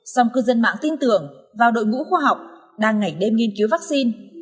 xong cư dân mạng tin tưởng vào đội ngũ khoa học đang ngảy đêm nghiên cứu vắc xin